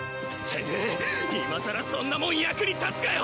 今更そんなもん役に立つかよ！